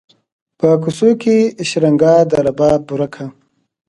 په کوڅو کې یې شرنګا د رباب ورکه